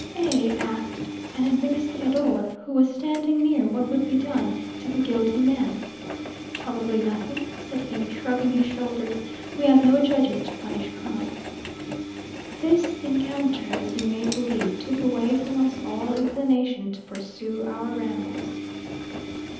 A asked an administrador, who was standing near, what would be done to the guilty man. "Probably nothing," said he, shrugging his shoulders; "we have no judges to punish crime." This rencounter, as you may believe, took away from us all inclination to pursue our rambles.